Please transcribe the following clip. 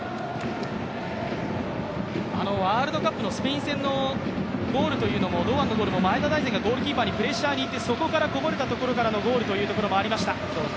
ワールドカップのスペイン戦のゴールというのも前田大然がゴールキーパーにプレッシャーに行ってそこからこぼれたところからのゴールというところもありました。